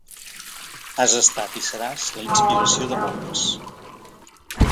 Has estat i seràs la inspiració de molts.